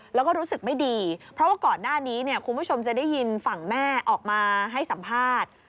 แล้วก็รู้สึกไม่ดีเพราะว่าก่อนหน้านี้เนี่ยคุณผู้ชมจะได้ยินฝั่งแม่ออกมาให้สัมภาษณ์